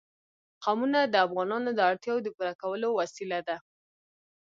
قومونه د افغانانو د اړتیاوو د پوره کولو وسیله ده.